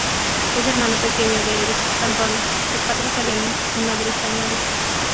Es hermano pequeño de Éric Cantona, de padre italiano y madre española.